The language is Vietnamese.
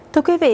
thưa quý vị